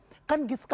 pertanyaan kita nih